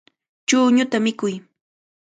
Chuñuta mikuy.